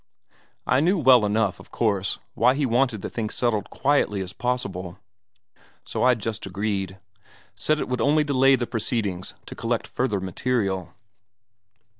I knew well enough, of course, why he wanted the thing settled quietly as possible, so I just agreed: said it would only delay the proceedings to collect further material....